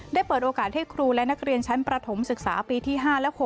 เปิดโอกาสให้ครูและนักเรียนชั้นประถมศึกษาปีที่๕และ๖